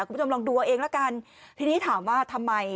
คุณผู้ชมลองดูเอาเองละกันทีนี้ถามว่าทำไม